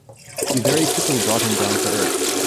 We very quickly brought him down to earth.